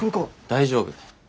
大丈夫。